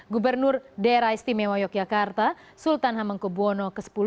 gubernur daerah istimewa yogyakarta sultan hamengkubwono x